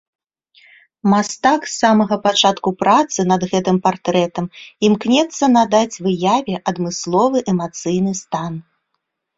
Мастак з самага пачатку працы над гэтым партрэтам імкнецца надаць выяве адмысловы эмацыйны стан.